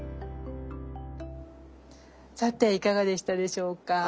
さていかがでしたでしょうか？